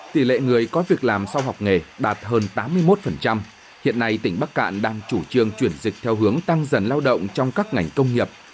tỷ lệ người có việc làm sau học nghề đạt hơn tám mươi một hiện nay tỉnh bắc cạn đang chủ trương chuyển dịch theo hướng tăng dần lao động trong các ngành công nghiệp